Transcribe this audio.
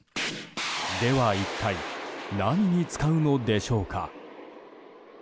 では一体何に使うのでしょうか。